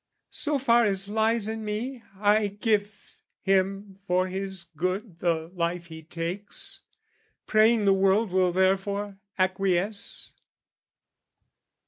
So far as lies in me, I give him for his good the life he takes, Praying the world will therefore acquiesce.